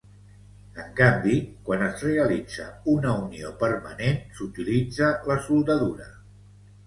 En canvi quan es realitza una unió permanent s'utilitza la soldadura.